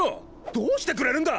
どうしてくれるんだ！